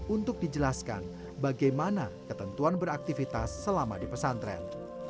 untuk dijelaskan bagaimana ketentuan beraktivitas selama di pesantren